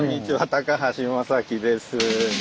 高橋雅紀です。